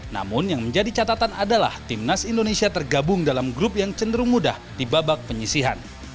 namun yang menjadi catatan adalah timnas indonesia tergabung dalam grup yang cenderung mudah di babak penyisihan